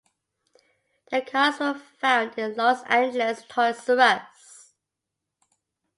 The cards were found in a Los Angeles Toys-R-Us.